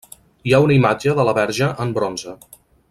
Hi ha una imatge de la verge en bronze.